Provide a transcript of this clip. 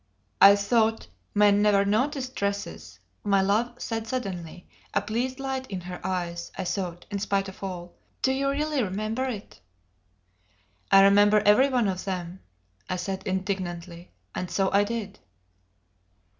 "I thought men never noticed dresses?" my love said suddenly, a pleased light in her eyes (I thought) in spite of all. "Do you really remember it?" "I remember every one of them," I said indignantly; and so I did.